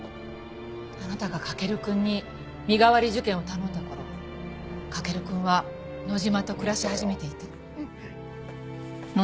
あなたが駆くんに身代わり受験を頼んだ頃駆くんは野島と暮らし始めていた。